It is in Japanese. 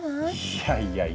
いやいやいや。